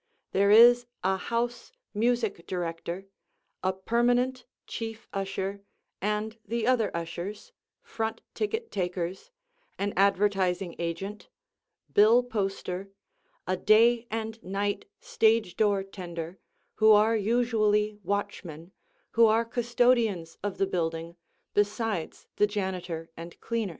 There is a house music director, a permanent chief usher and the other ushers, front ticket takers, an advertising agent, bill poster, a day and night stage door tender, who are usually watchmen, who are custodians of the building, besides the janitor and cleaners.